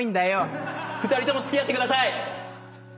２人とも付き合ってください！